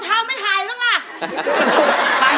อันดับไม่ค่อยสวย